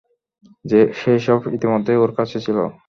সেসব ইতোমধ্যেই ওর কাছে ছিল।